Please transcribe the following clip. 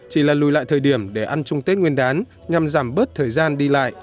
chỉ là lùi lại thời điểm để ăn chung tết nguyên đán nhằm giảm bớt thời gian đi lại